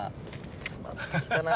詰まってきたな。